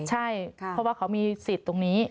ใช่เพราะว่าเขามีสิทธิ์ตรงนี้